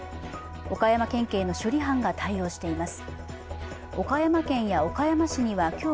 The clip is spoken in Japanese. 岡山県警の処理班が対応しています。